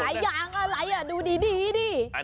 สายยางอะไรอ่ะดูดีดิ